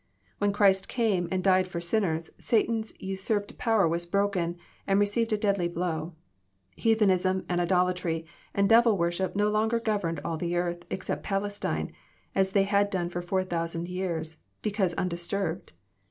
When Christ came and died for sinners, Satan's usurped power was broken, and received a deadly blow. Heathenism, and idolatry, and devil worship no longer governed all the earth except Palestine, as they had done for four thou sand years, because undisturbed.